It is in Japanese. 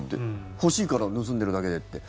欲しいから盗んでるだけでって。